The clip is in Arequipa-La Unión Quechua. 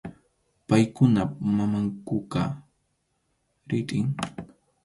Paykunap mamankuqa ritʼim.